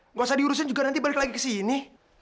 nggak usah diurusin juga nanti balik lagi ke sini